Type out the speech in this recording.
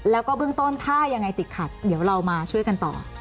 แล้วก็เบื้องต้นถ้ายังไงติดขัดเดี๋ยวเรามาช่วยกันต่อ